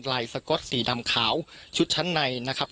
สก๊อตสีดำขาวชุดชั้นในนะครับ